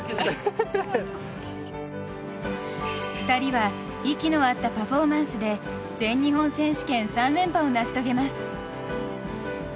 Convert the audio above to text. ２人は息の合ったパフォーマンスで全日本選手権３連覇を成し遂げます。